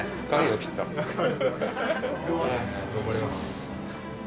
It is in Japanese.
頑張ります。